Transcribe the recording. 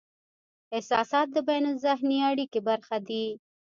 احساسات د بینالذهني اړیکې برخه دي.